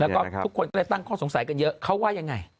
แล้วก็ทุกคนก็เลยตั้งข้อสงสัยกันเยอะเขาว่ายังไง